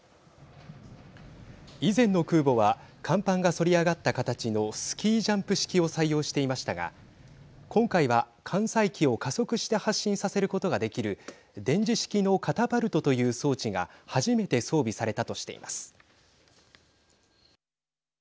以前の空母は甲板がそり上がった形のスキージャンプ式を採用していましたが今回は艦載機を加速して発進させることができる電磁式のカタパルトという装置が初めて装備されたとしています。